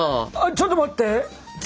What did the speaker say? ちょっと待って！